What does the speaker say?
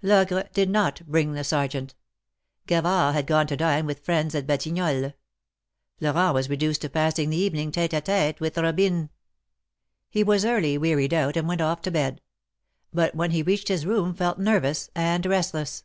Logre did not bring the Sergeant. Gavard had gone to dine with friends at Batignolles. Florent was reduced to passing the evening tete a t^te with Robine. He was early wearied out, and went off to bed ; but when he reached his room felt nervous and restless.